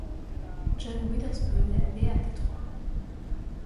John Witherspoon naît à Détroit.